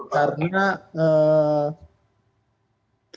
karena dilihatnya hanya